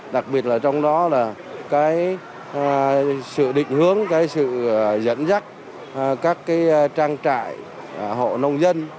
đặc biệt là trong đó là sự định hướng sự dẫn dắt các trang trại hộ nông dân